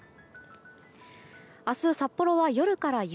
明日、札幌は夜から雪。